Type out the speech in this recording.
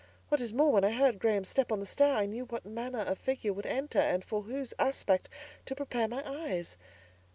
What is more, when I heard Graham's step on the stairs, I knew what manner of figure would enter, and for whose aspect to prepare my eyes.